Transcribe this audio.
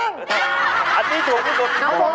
อันนี้ถูกที่สุดการถูกความจริงกว่ากัน